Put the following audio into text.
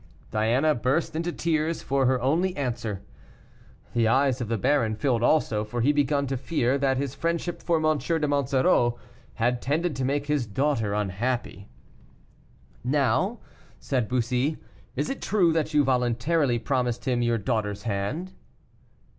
Diana burst into tears for her only answer. The eyes of the baron filled also, for he began to fear that his friendship for M. de Monsoreau had tended to make his daughter unhappy. "Now!" said Bussy, "is it true that you voluntarily promised him your daughter's hand?"